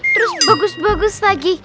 terus bagus bagus lagi